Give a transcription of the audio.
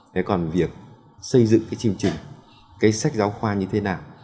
thế còn việc xây dựng cái chương trình cái sách giáo khoa như thế nào